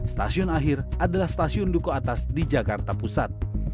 stasiun akhir adalah stasiun duku atas di jakarta pusat